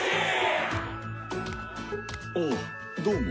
あどうも。